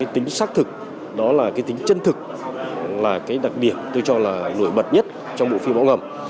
tính xác thực tính chân thực là đặc điểm tôi cho là nổi bật nhất trong bộ phim bão ngầm